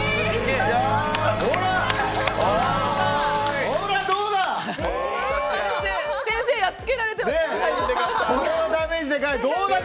ほら、どうだ！